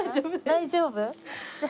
大丈夫？